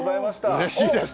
うれしいです。